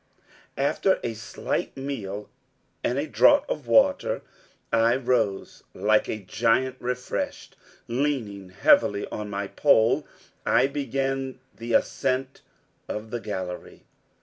After a slight meal and a draught of water, I rose like a giant refreshed. Leaning heavily on my pole, I began the ascent of the gallery.